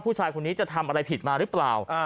ผู้ชายคนนี้จะทำอะไรผิดมาหรือเปล่า